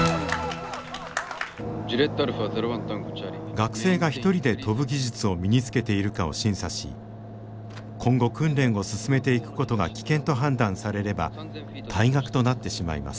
学生が一人で飛ぶ技術を身につけているかを審査し今後訓練を進めていくことが危険と判断されれば退学となってしまいます。